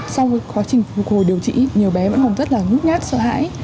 sau quá trình phục hồi điều trị nhiều bé vẫn còn rất là ngút ngát sợ hãi